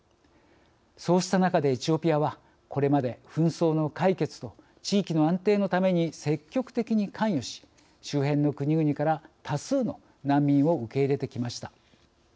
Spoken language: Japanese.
そうした中でエチオピアはこれまで紛争の解決と地域の安定のために積極的に関与し、周辺の国々から多数の難民を受け入れてきました。